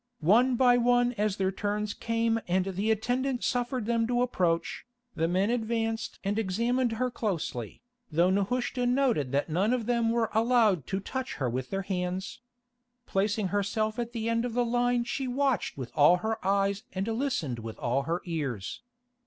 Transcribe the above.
One by one as their turns came and the attendant suffered them to approach, the men advanced and examined her closely, though Nehushta noted that none of them were allowed to touch her with their hands. Placing herself at the end of the line she watched with all her eyes and listened with all her ears.